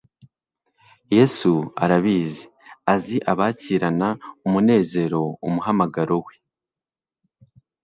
Yesu arabazi. Azi abakirana umunezero umuhamagaro we,